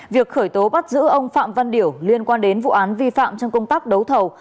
việc khởi tố bắt giữ ông phạm văn điểu liên quan đến vụ án vi phạm trong công tác đấu thầu